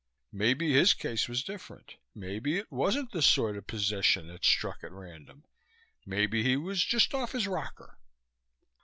Maybe his case was different. Maybe it wasn't the sort of possession that struck at random; maybe he was just off his rocker.